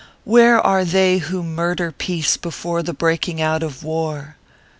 Where are they who murder Peace before the breaking out of war